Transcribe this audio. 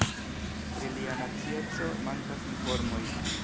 Pri lia nacieco mankas informoj.